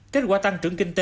kết quả tăng trưởng kinh tế